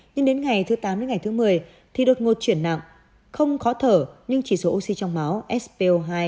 nhưng đến ngày thứ tám một mươi thì đột ngột chuyển nặng không khó thở nhưng chỉ số oxy trong máu spo hai